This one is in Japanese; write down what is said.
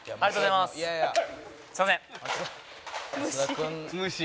すいません。